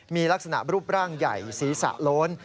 มีลักษณะรูปร่างใหญ่ศีรษะโล้น